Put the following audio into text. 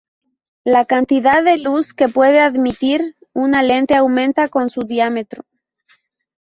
La cantidad de luz que puede admitir una lente aumenta con su diámetro.